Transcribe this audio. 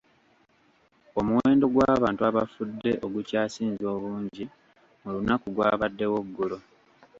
Omuwendo gw'abantu abafudde ogukyasinze obungi mu lunaku gwabaddewo ggulo.